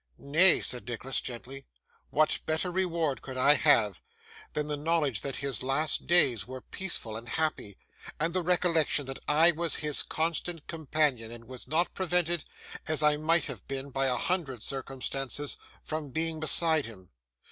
'Nay,' said Nicholas gently, 'what better reward could I have, than the knowledge that his last days were peaceful and happy, and the recollection that I was his constant companion, and was not prevented, as I might have been by a hundred circumstances, from being beside him?